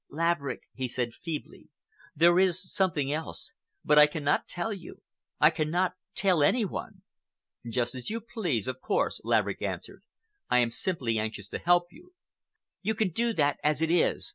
"Laverick," he said feebly, "there is something else, but I cannot tell you—I cannot tell any one." "Just as you please, of course," Laverick answered. "I am simply anxious to help you." "You can do that as it is!"